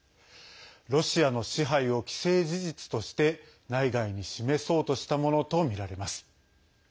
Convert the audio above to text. ロシアの支配を既成事実として内外に示そうとしたものとみられます。